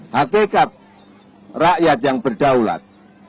hakikat rakyat yang berdaulat